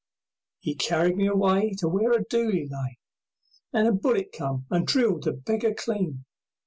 'E carried me away To where a dooli lay, And a bullet came and drilled the beggar clean.